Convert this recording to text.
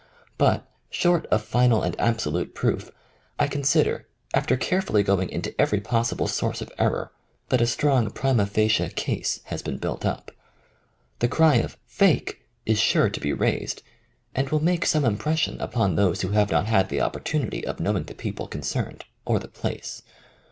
But short of final and absolute proof, I con sider, after carefully going into every pos sible source of error, that a strong primor 39 THE COMING OF THE FAIRIES facie case has been built up. The cry of fake" is sure to be raised, and will make some impression upon those who have not had the opportunity of knowing the peo ple concerned, or the place.